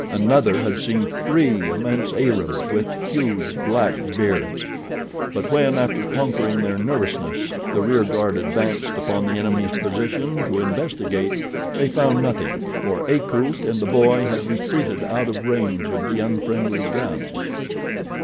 Another had seen THREE immense Arabs with huge, black beards; but when, after conquering their nervousness, the rear guard advanced upon the enemy's position to investigate they found nothing, for Akut and the boy had retreated out of range of the unfriendly guns.